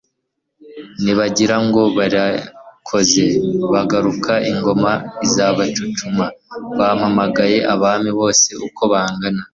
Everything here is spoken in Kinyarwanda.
Nibagira ngo barikoze bagaruka Ingoma izabacucum Bampamagaye Abami bose uko bangana